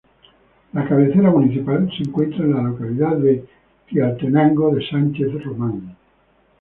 La cabecera municipal se encuentra en la localidad de Tlaltenango de Sánchez Román.